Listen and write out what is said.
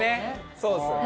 そうですよね。